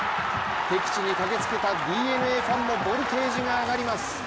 敵地に駆けつけたＤｅＮＡファンもボルテージが上がります。